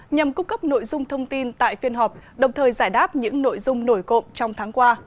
nhằm cung cấp nội dung thông tin tại phiên họp đồng thời giải đáp những nội dung nổi cộng trong tháng qua